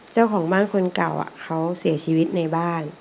เจ้าของบ้านคนเก่าเขาเสียชีวิตในบ้าน